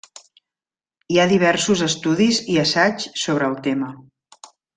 Hi ha diversos estudis i assaigs sobre el tema.